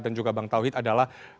dan juga bang tauhid adalah